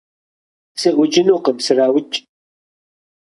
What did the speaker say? - СыӀукӀынукъым, сраукӀ!